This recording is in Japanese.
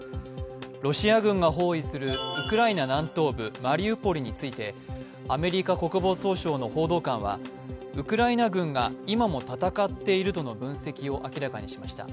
ロシア軍が包囲するウクライナ南東部マリウポリについてアメリカ国防総省の報道官はウクライナ軍は今も戦っているとの分析を明らかにしました。